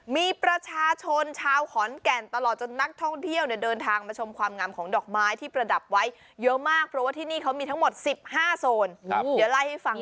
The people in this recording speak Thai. มีประชาชนชาวขอนแก่นตลอดจนนักท่องเที่ยวเนี่ยเดินทางมาชมความงามของดอกไม้ที่ประดับไว้เยอะมากเพราะว่าที่นี่เขามีทั้งหมด๑๕โซนเดี๋ยวเล่าให้ฟัง